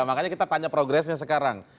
makanya kita tanya progresnya sekarang